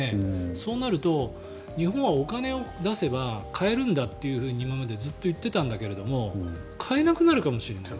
そうなると、日本はお金を出せば買えるんだと今までずっといっていたんだけども買えなくなるかもしれない。